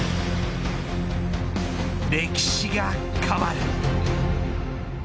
歴史が変わる。